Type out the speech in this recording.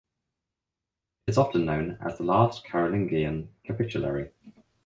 It is often known as the last Carolingian capitulary.